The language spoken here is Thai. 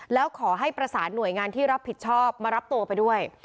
แล้วขอให้ประสานหน่วยงานที่รับผิดชอบมารับตัวไปด้วย